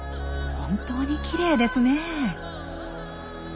本当にきれいですねえ。